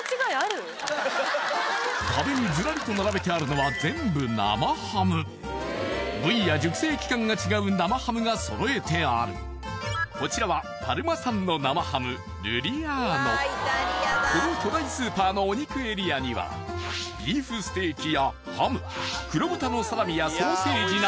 壁にズラリと並べてあるのは全部部位や熟成期間が違う生ハムが揃えてあるこちらはパルマ産の生ハムルリアーノこの巨大スーパーのお肉エリアには黒豚のサラミやソーセージなど